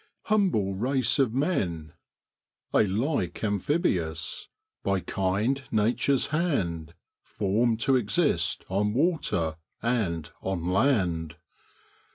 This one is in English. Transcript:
' Humble race of men, Alike amphibious, by kind nature's hand Forrn'd to exist on water and on land.'